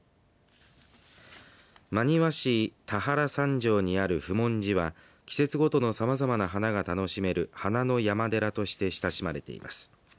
真庭市田原山上にある普門寺は季節ごとのさまざまな花が楽しめる花の山寺として親しまれています。